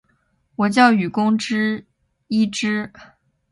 我叫雨宫伊织！